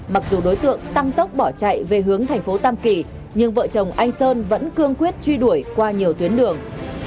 mặc dù đối tượng tăng tốc bỏ chạy về hướng thành phố tam kỳ nhưng vợ chồng anh sơn vẫn cương quyết truy đuổi qua nhiều tuyến đường